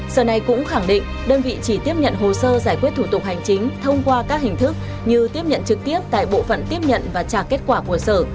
sở này cũng khẳng định đơn vị chỉ tiếp nhận hồ sơ giải quyết thủ tục hành chính thông qua các hình thức như tiếp nhận trực tiếp tại bộ phận tiếp nhận và trả kết quả của sở